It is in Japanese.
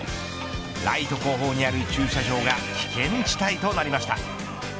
ライト後方にある駐車場が危険地帯となりました。